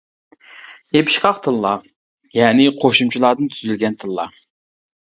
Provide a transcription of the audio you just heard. يېپىشقاق تىللار: يەنى قوشۇمچىلاردىن تۈزۈلگەن تىللار.